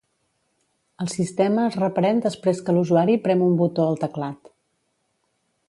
El sistema es reprèn després que l"usuari prem un botó al teclat.